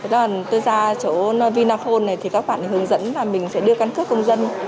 tôi ra chỗ vinaphone này thì các bạn hướng dẫn là mình sẽ đưa căn cứ công dân